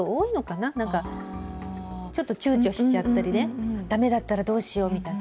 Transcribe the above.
なんか、ちょっとちゅうちょしちゃったりね、だめだったらどうしようみたいな。